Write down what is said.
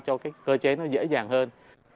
cho cái cơ chế nó dễ dàng hơn